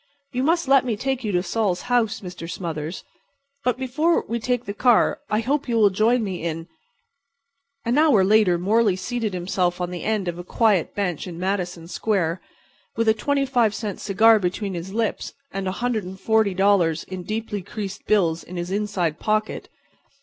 You must let me take you to Sol's house, Mr. Smothers. But, before we take the car I hope you will join me in"— An hour later Morley seated himself on the end of a quiet bench in Madison Square, with a twenty five cent cigar between his lips and $140 in deeply creased bills in his inside pocket.